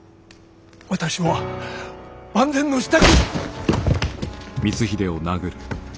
私は万全の支度。